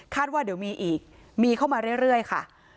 ว่าเดี๋ยวมีอีกมีเข้ามาเรื่อยค่ะ